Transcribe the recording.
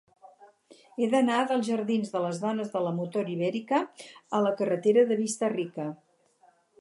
He d'anar dels jardins de les Dones de la Motor Ibèrica a la carretera de Vista-rica.